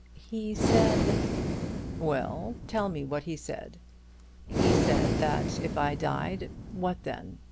"He said " "Well, tell me what he said. He said, that if I died what then?